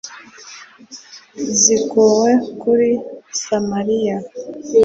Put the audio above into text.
zikuwe kuri samariya